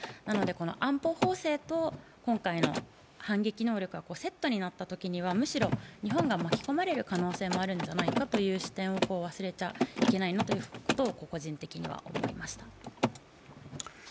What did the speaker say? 安保法制と今回の反撃能力がセットになったときにはむしろ日本が巻き込まれる可能性があることを忘れちゃいけないなということを個人的には思いました。